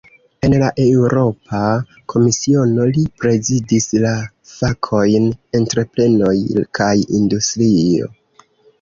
En la Eŭropa Komisiono, li prezidis la fakojn "entreprenoj kaj industrio".